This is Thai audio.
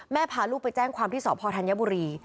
พาลูกไปแจ้งความที่สพธัญบุรี